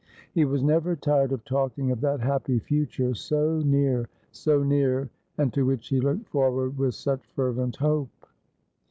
He was never tired of talking of that happy future, so near, so near, and to which he looked forward with such fervent hope.